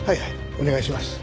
お願いします。